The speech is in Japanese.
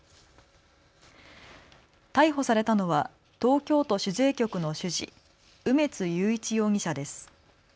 逮捕されたのは東京都主税局の主事、梅津裕一容疑者です。